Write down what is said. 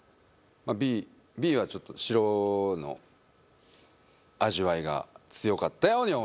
Ｂはちょっと白の味わいが強かったように思います